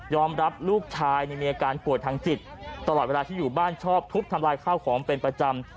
รับลูกชายมีอาการป่วยทางจิตตลอดเวลาที่อยู่บ้านชอบทุบทำลายข้าวของเป็นประจำ